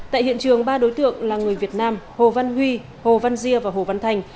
tại hiện trường ba đối tượng là người việt nam hồ văn huy hồ văn diê và hồ văn thành